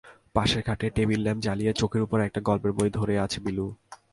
পাশের খাটে টেবিল-ল্যাম্প জ্বালিয়ে চোখের ওপর একটা গল্পের বই ধরে আছে বিলু।